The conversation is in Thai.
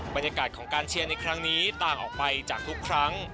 บรรยากาศของการเชียร์ในครั้งนี้ต่างออกไปจากทุกครั้ง